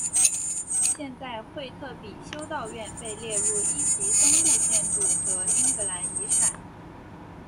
现在惠特比修道院被列入一级登录建筑和英格兰遗产。